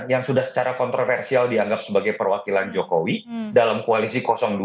yang sudah secara kontroversial dianggap sebagai perwakilan jokowi dalam koalisi dua